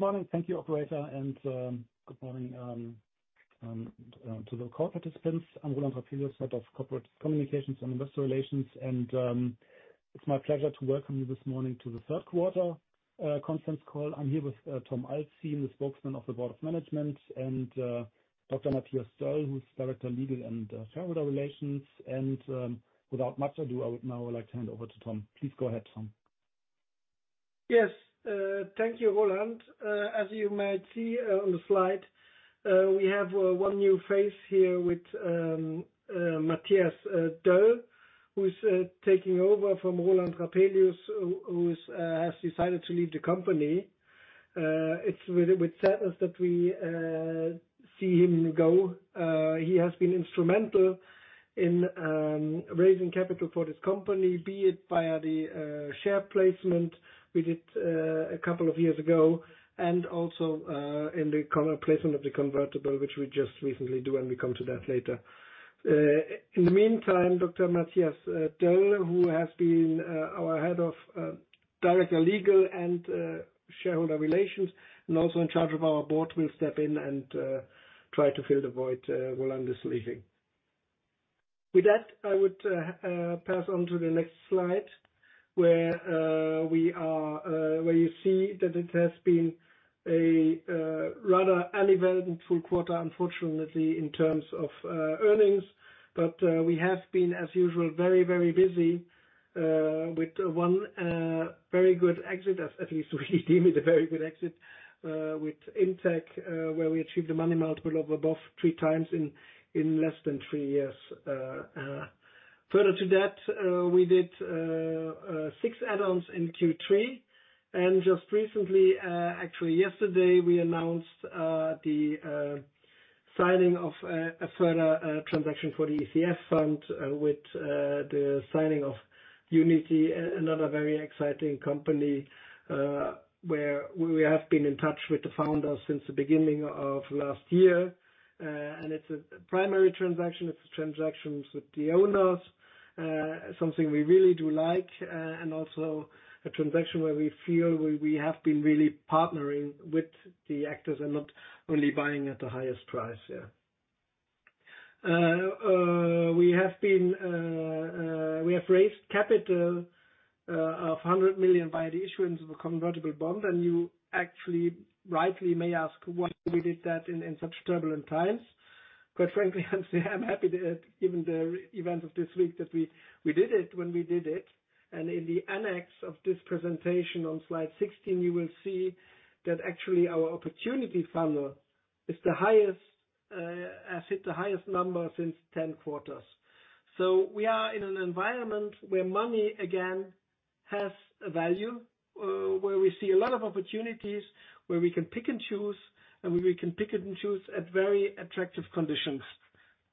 Good morning. Thank you, operator. Good morning to the call participants. I'm Roland Rapelius, Head of Corporate Communications and Investor Relations. It's my pleasure to welcome you this morning to the Third Quarter Conference Call. I'm here with Tom Alzin, the Spokesman of the Board of Management, and Matthias Döll, who's Director Legal and Shareholder Relations. Without much ado, I would now like to hand over to Tom. Please go ahead, Tom. Yes. Thank you, Roland. As you might see on the slide, we have one new face here with Matthias Döll, who's taking over from Roland Rapelius, who's decided to leave the company. It's with sadness that we see him go. He has been instrumental in raising capital for this company, be it via the share placement we did a couple of years ago and also in the placement of the convertible, which we just recently do, and we come to that later. In the meantime, Dr. Matthias Döll, who has been our head of Director Legal and Shareholder Relations, and also in charge of our Board, will step in and try to fill the void Roland is leaving. With that, I would pass on to the next slide where you see that it has been a rather uneven full quarter, unfortunately, in terms of earnings. We have been, as usual, very, very busy with one very good exit, at least we deem it a very good exit, with in-tech, where we achieved a money multiple of above three times in less than three years. Further to that, we did six add-ons in Q3. Just recently, actually yesterday, we announced the signing of a further transaction for the ECF fund with the signing of UNITY, another very exciting company, where we have been in touch with the founders since the beginning of last year. It's a primary transaction, it's a transaction with the owners, something we really do like, and also a transaction where we feel we have been really partnering with the actors and not only buying at the highest price. Yeah. We have raised capital of 100 million via the issuance of a convertible bond. You actually rightly may ask why we did that in such turbulent times. Quite frankly, I'm happy that given the event of this week that we did it when we did it. In the annex of this presentation on slide 16, you will see that actually our opportunity funnel is the highest, has hit the highest number since 10 quarters. We are in an environment where money, again, has a value, where we see a lot of opportunities where we can pick and choose, and we can pick and choose at very attractive conditions,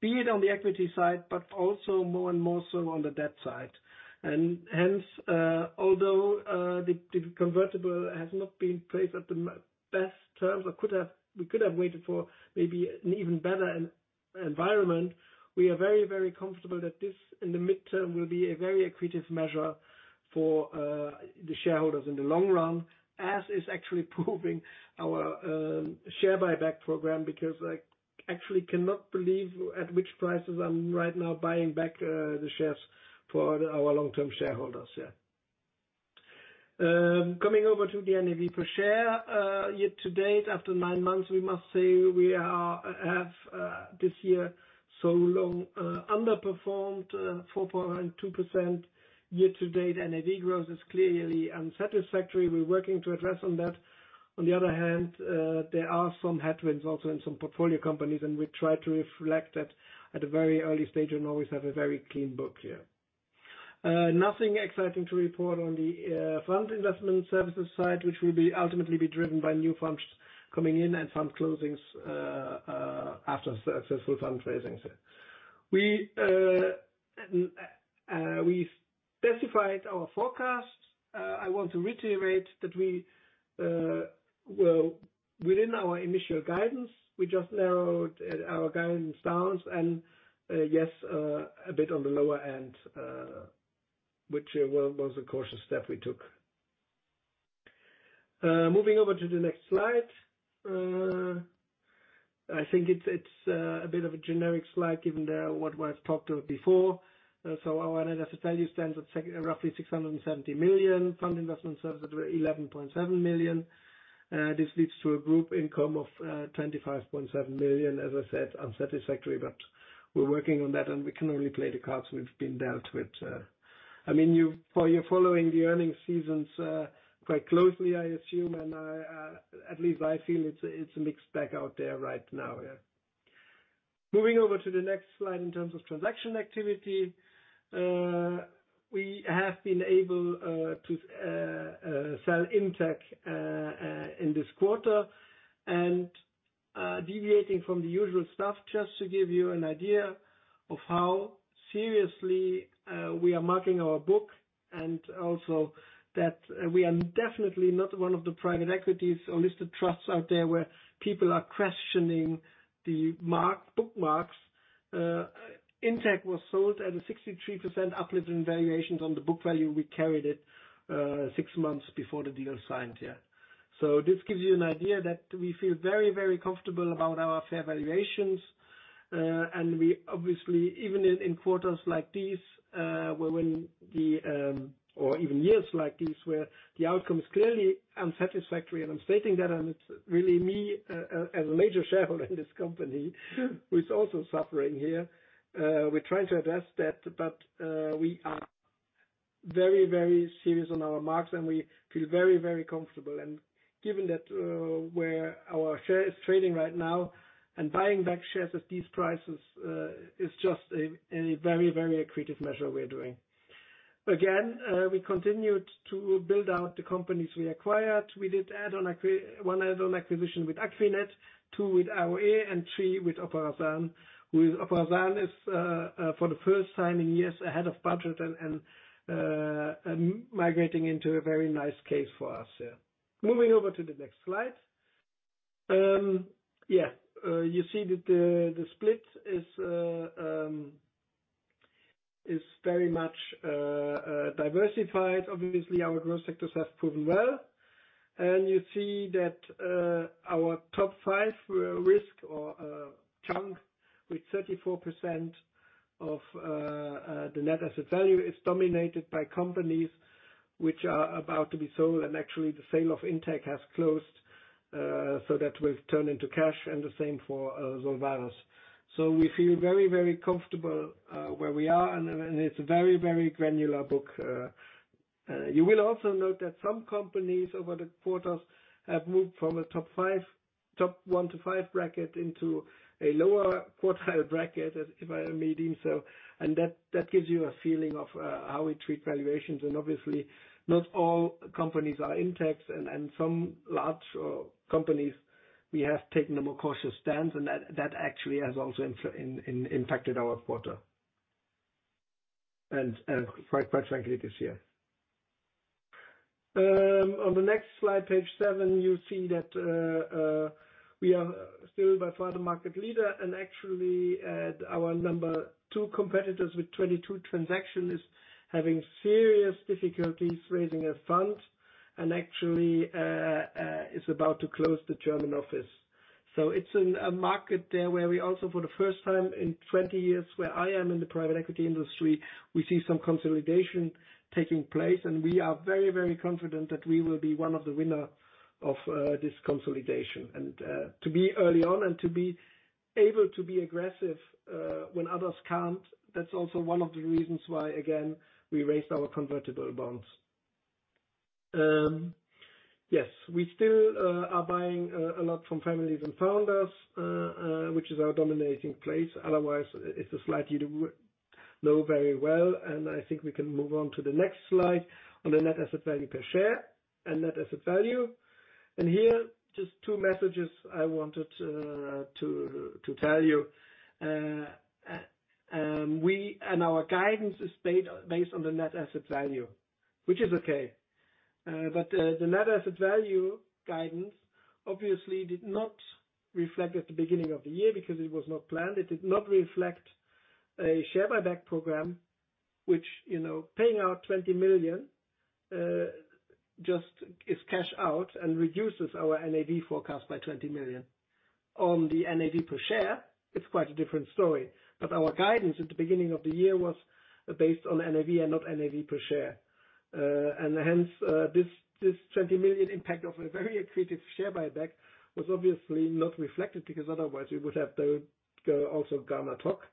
be it on the equity side, but also more and more so on the debt side. Hence, although the convertible has not been placed at the best terms or we could have waited for maybe an even better environment, we are very, very comfortable that this, in the midterm, will be a very accretive measure for the shareholders in the long run, as is actually proving our Share Buyback Program. I actually cannot believe at which prices I'm right now buying back the shares for our long-term shareholders. Coming over to the NAV per share. Year to date, after nine months, we must say we have this year so long underperformed 4.2% year to date. NAV growth is clearly unsatisfactory. We're working to address on that. On the other hand, there are some headwinds also in some portfolio companies, and we try to reflect that at a very early stage and always have a very clean book. Yeah. Nothing exciting to report on the fund investment services side, which will be ultimately be driven by new funds coming in and fund closings after successful fundraising. We specified our forecast. I want to reiterate that we were within our initial guidance. We just narrowed our guidance down and yes, a bit on the lower end, which was a cautious step we took. Moving over to the next slide. I think it's a bit of a generic slide given what I've talked of before. Our net asset value stands at 670 million. Fund investment services were 11.7 million. This leads to a group income of 25.7 million. As I said, unsatisfactory, but we're working on that, and we can only play the cards we've been dealt with. I mean, for you following the earning seasons quite closely, I assume, and I at least I feel it's a mixed bag out there right now. Moving over to the next slide in terms of transaction activity. We have been able to sell in-tech in this quarter. Deviating from the usual stuff, just to give you an idea of how seriously we are marking our book, and also that we are definitely not one of the private equities or listed trusts out there where people are questioning the bookmarks. akquinet was sold at a 63% uplift in valuations on the book value we carried it, 6 months before the deal signed, yeah. This gives you an idea that we feel very, very comfortable about our fair valuations. We obviously, even in quarters like these, when the, or even years like these, where the outcome is clearly unsatisfactory, and I'm stating that, and it's really me, as a major shareholder in this company who is also suffering here. We're trying to address that. We are very, very serious on our marks, and we feel very, very comfortable. Given that, where our share is trading right now and buying back shares at these prices, is just a very, very accretive measure we're doing. Again, we continued to build out the companies we acquired. We did add on one add-on acquisition with akquinet, two with AOE, and three with operasan. With operasan is for the first time in years ahead of budget, migrating into a very nice case for us. Moving over to the next slide. You see that the split is very much diversified. Obviously, our growth sectors have proven well. You see that our top five risk or chunk with 34% of the NAV is dominated by companies which are about to be sold, and actually the sale of in-tech has closed, so that will turn into cash, and the same for Solvares. We feel very, very comfortable where we are, and it's a very, very granular book. You will also note that some companies over the quarters have moved from a top one to five bracket into a lower quartile bracket, if I may deem so. That gives you a feeling of how we treat valuations. Obviously, not all companies are in-tech, and some large companies, we have taken a more cautious stance, and that actually has also impacted our quarter and quite frankly, this year. On the next slide, page 7, you see that we are still by far the market leader and actually, our number two competitors with 22 transactions is having serious difficulties raising a fund and actually, is about to close the German office. It's a market there where we also, for the first time in 20 years where I am in the private equity industry, we see some consolidation taking place, and we are very confident that we will be one of the winner of this consolidation. To be early on and to be able to be aggressive, when others can't, that's also one of the reasons why, again, we raised our convertible bonds. Yes, we still are buying a lot from families and founders, which is our dominating place. Otherwise, it's a slide you do know very well, and I think we can move on to the next slide on the net asset value per share and net asset value. Here, just two messages I wanted to tell you. Our guidance is based on the net asset value, which is okay. The net asset value guidance obviously did not reflect at the beginning of the year because it was not planned. It did not reflect a share buyback program, which, you know, paying out 20 million just is cash out and reduces our NAV forecast by 20 million. On the NAV per share, it's quite a different story. Our guidance at the beginning of the year was based on NAV and not NAV per share. Hence, this 20 million impact of a very accretive share buyback was obviously not reflected because otherwise we would have to also guide ad hoc.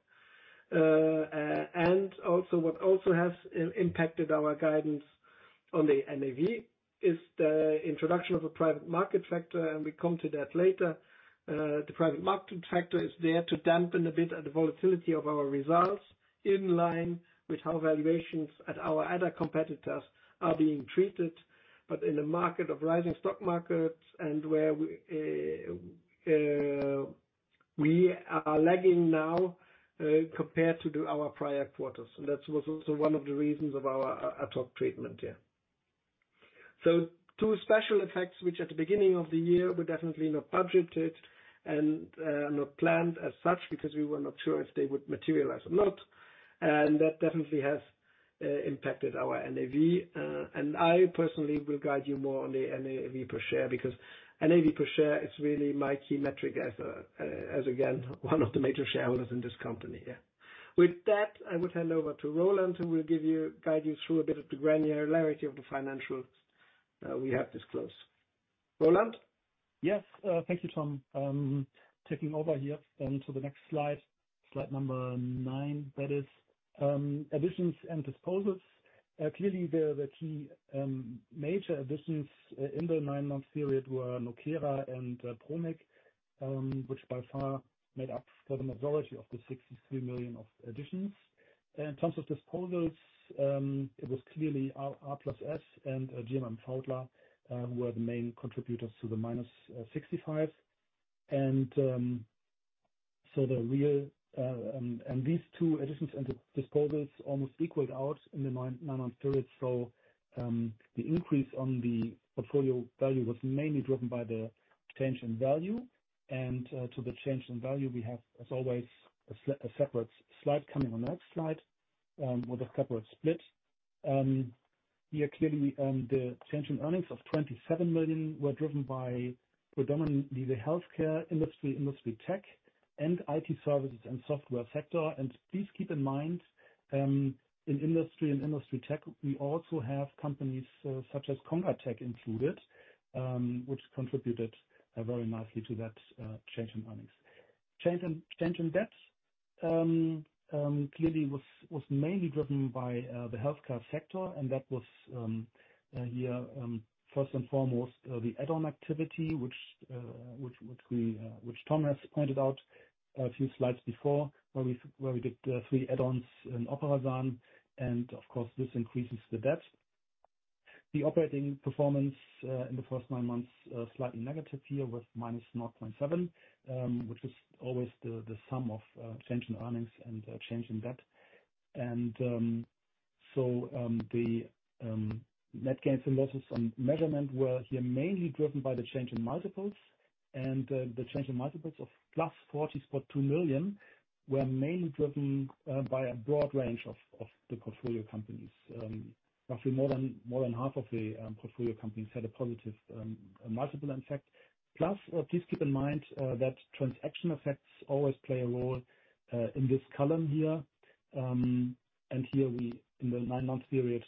Also what also has impacted our guidance on the NAV is the introduction of a private market factor. We come to that later. The private market factor is there to dampen a bit of the volatility of our results in line with how valuations at our other competitors are being treated. In a market of rising stock markets and where we are lagging now compared to our prior quarters. That was also one of the reasons of ad hoc treatment. Two special effects, which at the beginning of the year were definitely not budgeted and not planned as such because we were not sure if they would materialize or not. That definitely has impacted our NAV. I personally will guide you more on the NAV per share because NAV per share is really my key metric as again, one of the major shareholders in this company. With that, I would hand over to Roland, who will guide you through a bit of the granularity of the financials we have disclosed. Roland? Yes. Thank you, Tom. Taking over here. To the next slide number nine, that is. Additions and disposals. Clearly the key major additions in the nine-month period were NOKERA and ProMik, which by far made up for the majority of the 63 million of additions. In terms of disposals, it was clearly R+S and GMM Pfaudler, who were the main contributors to the minus 65. These two additions and disposals almost equaled out in the nine-month period. The increase on the portfolio value was mainly driven by the change in value. To the change in value, we have, as always, a separate slide coming on the next slide, with a separate split. Clearly, the change in earnings of 27 million were driven by predominantly the healthcare industry tech and IT services and software sector. Please keep in mind, in industry and industry tech, we also have companies, such as congatec included, which contributed very nicely to that change in earnings. Change in debt, clearly was mainly driven by the healthcare sector, and that was, first and foremost, the add-on activity, which Tom has pointed out a few slides before, where we did three add-ons in operasan, and of course, this increases the debt. The operating performance in the first nine months, slightly negative here with minus 0.7, which is always the sum of change in earnings and change in debt. The net gains and losses on measurement were here mainly driven by the change in multiples, and the change in multiples of plus 40.2 million were mainly driven by a broad range of the portfolio companies. Roughly more than half of the portfolio companies had a positive multiple impact. Please keep in mind that transaction effects always play a role in this column here. Here we, in the nine-month period,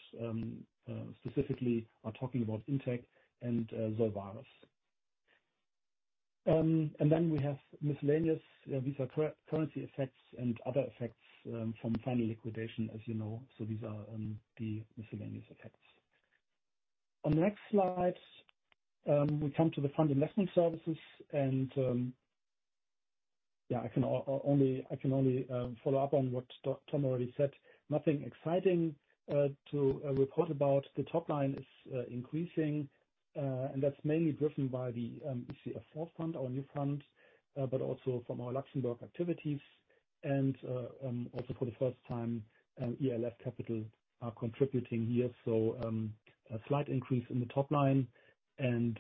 specifically are talking about in-tech and Solvares. We have miscellaneous. These are currency effects and other effects from final liquidation, as you know. These are the miscellaneous effects. On the next slide, we come to the fund investment services, and yeah, I can only follow up on what Tom already said. Nothing exciting to report about. The top line is increasing, and that's mainly driven by the ECF IV fund, our new fund, but also from our Luxembourg activities, and also for the first time, ELF Capital are contributing here. A slight increase in the top line and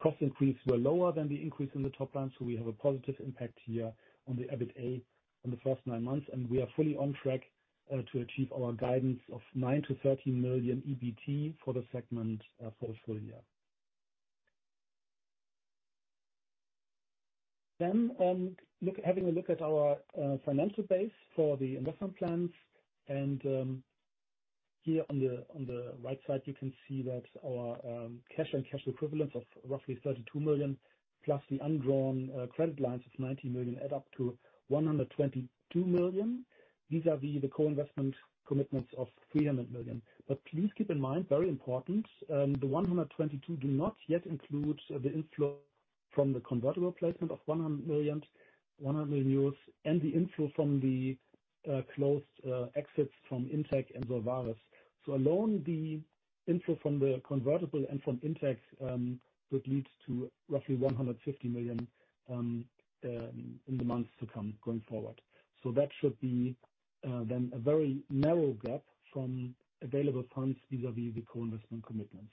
cost increase were lower than the increase in the top line. We have a positive impact here on the EBITA on the first nine months, and we are fully on track to achieve our guidance of 9 million-13 million EBT for the segment for the full year. Having a look at our financial base for the investment plans, and here on the right side, you can see that our cash and cash equivalents of roughly 32 million, plus the undrawn credit lines of 90 million add up to 122 million vis-à-vis the co-investment commitments of 300 million. Please keep in mind, very important, the 122 million do not yet include the inflow from the convertible placement of 100 million, and the inflow from the closed exits from in-tech and Solvares. Alone, the inflow from the convertible and from in-tech would lead to roughly 150 million in the months to come going forward. That should be then a very narrow gap from available funds vis-à-vis the co-investment commitments.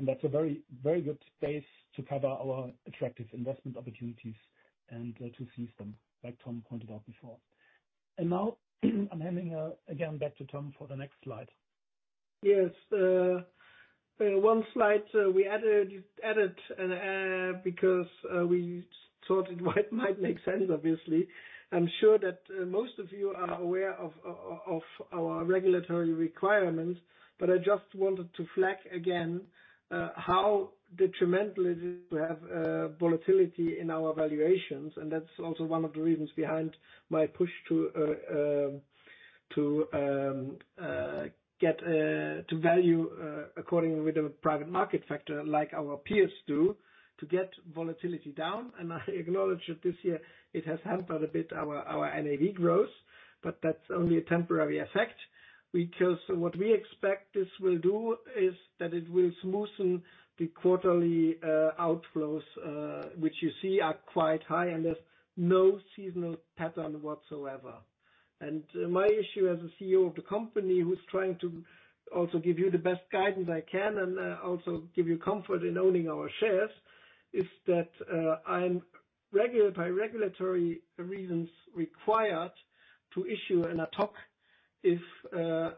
That's a very, very good base to cover our attractive investment opportunities and to seize them, like Tom pointed out before. Now I'm handing again back to Tom for the next slide. Yes. One slide we added because we thought it might make sense, obviously. I'm sure that most of you are aware of our regulatory requirements, but I just wanted to flag again how detrimental it is to have volatility in our valuations. That's also one of the reasons behind my push to get to value according with the private market factor like our peers do to get volatility down. I acknowledge that this year it has hampered a bit our NAV growth, but that's only a temporary effect because what we expect this will do is that it will smoothen the quarterly outflows which you see are quite high and there's no seasonal pattern whatsoever. My issue as a CEO of the company who's trying to also give you the best guidance I can and also give you comfort in owning our shares is that I'm by regulatory reasons required to issue an ad hoc if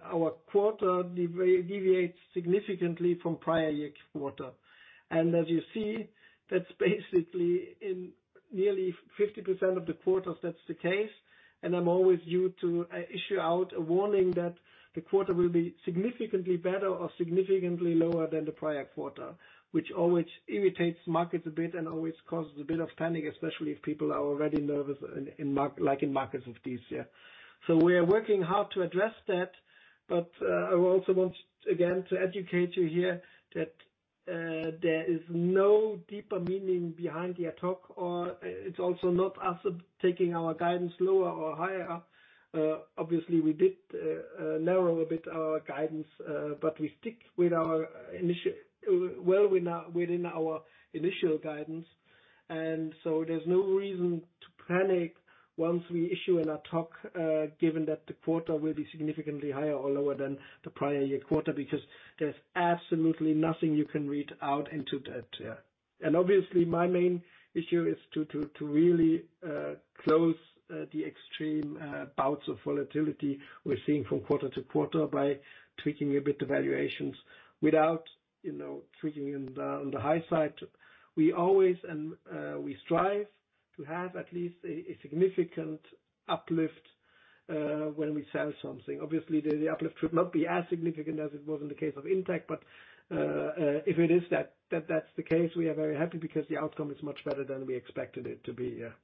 our quarter deviates significantly from prior year quarter. As you see, that's basically in nearly 50% of the quarters that's the case. I'm always due to issue out a warning that the quarter will be significantly better or significantly lower than the prior quarter, which always irritates markets a bit and always causes a bit of panic, especially if people are already nervous in markets of this year. We are working hard to address that. I also want, again, to educate you here that there is no deeper meaning behind the ad hoc or it's also not us taking our guidance lower or higher. Obviously we did narrow a bit our guidance, but we stick with our initial, well, within our initial guidance. There's no reason to panic once we issue an ad hoc, given that the quarter will be significantly higher or lower than the prior year quarter because there's absolutely nothing you can read out into that. Yeah. Obviously, my main issue is to really close the extreme bouts of volatility we're seeing from quarter to quarter by tweaking a bit the valuations without, you know, tweaking in the, on the high side. We always strive to have at least a significant uplift when we sell something. The uplift should not be as significant as it was in the case of in-tech. If it is that's the case, we are very happy because the outcome is much better than we expected it to be. Yeah.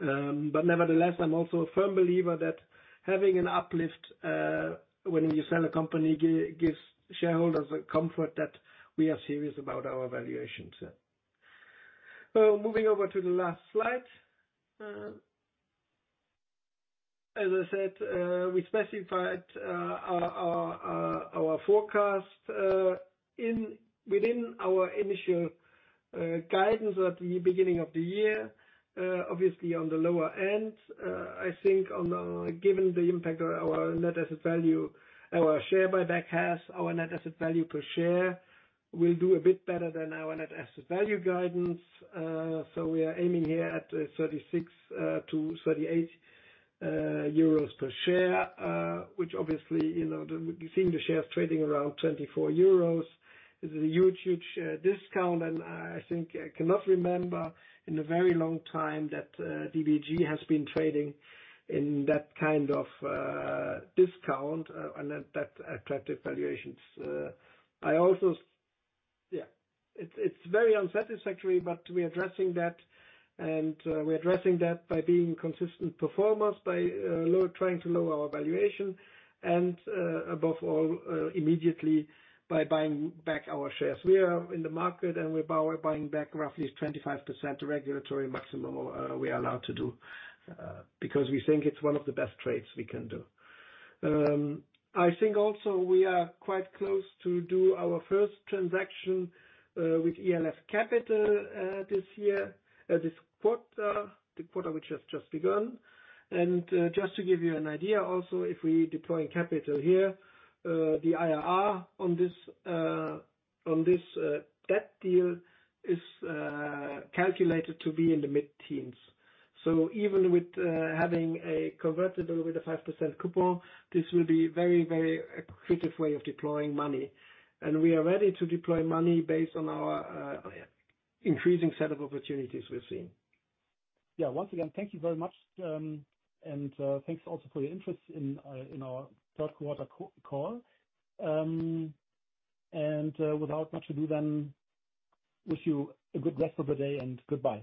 Nevertheless, I'm also a firm believer that having an uplift when you sell a company gives shareholders a comfort that we are serious about our valuations. Moving over to the last slide. As I said, we specified our forecast within our initial guidance at the beginning of the year. Obviously on the lower end, I think given the impact on our net asset value our share buyback has, our net asset value per share will do a bit better than our net asset value guidance. We are aiming here at 36-38 euros per share. Which obviously, you know, we're seeing the shares trading around 24 euros. This is a huge, huge discount. I think I cannot remember in a very long time that DBAG has been trading in that kind of discount and at that attractive valuations. Yeah, it's very unsatisfactory, but we're addressing that, and we're addressing that by being consistent performers, by trying to lower our valuation and, above all, immediately by buying back our shares. We are in the market, we're buying back roughly 25% regulatory maximum of we are allowed to do because we think it's one of the best trades we can do. I think also we are quite close to do our first transaction with ELF Capital this year, this quarter. The quarter which has just begun. Just to give you an idea also, if we deploy capital here, the IRR on this on this debt deal is calculated to be in the mid-teens. Even with having a convertible with a 5% coupon, this will be very, very accretive way of deploying money. We are ready to deploy money based on our increasing set of opportunities we're seeing. Yeah. Once again, thank you very much. Thanks also for your interest in our third quarter call. Without much to do, wish you a good rest of the day, and goodbye.